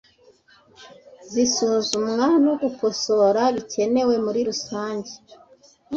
zisuzumwa no gukosorwa bikenewe muri rusange